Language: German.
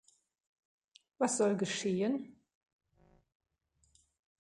Was soll geschehen?